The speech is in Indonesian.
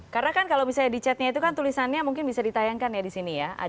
karena kan kalau misalnya di chatnya itu kan tulisannya mungkin bisa ditayangkan ya di sini ya